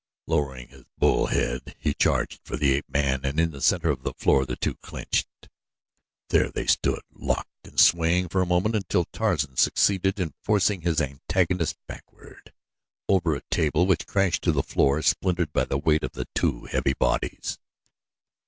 Lowering his bull head he charged for the ape man and in the center of the floor the two clinched. There they stood locked and swaying for a moment until Tarzan succeeded in forcing his antagonist backward over a table which crashed to the floor, splintered by the weight of the two heavy bodies.